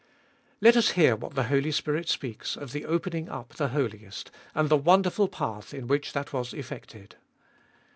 Let us hear what the Holy Spirit speaks of the opening up the Holiest, and the wonderful path in which that was effected.